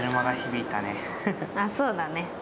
あっそうだね。